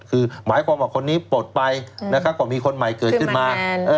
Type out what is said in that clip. คือหมายความว่าคนนี้ปลดไปนะครับก็มีคนใหม่เกิดขึ้นมา